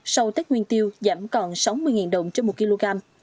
sau tết nguyên tiêu giảm còn sáu mươi đồng trên một kg